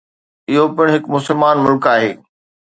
اهو پڻ هڪ مسلمان ملڪ آهي.